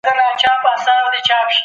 دولت د ټولنیز نظم ساتونکی دی.